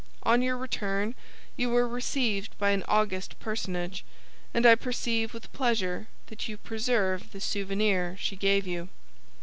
On your return you were received by an august personage, and I perceive with pleasure that you preserve the souvenir she gave you."